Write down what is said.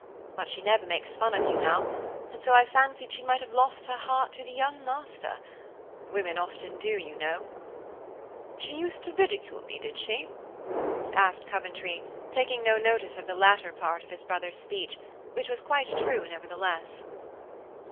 But she never makes fun of you now, and so I fancied she might have lost her heart to the 'young master.' Women often do, you know." "She used to ridicule me, did she?" asked Coventry, taking no notice of the latter part of his brother's speech, which was quite true nevertheless.